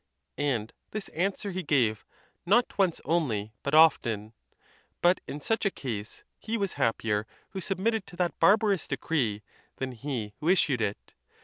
And this answer he gave, not once only, but often. But in such a case, he was happier who submitted to that bar barous decree than he who issued it.